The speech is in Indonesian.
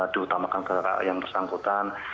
diutamakan kakak yang tersangkutan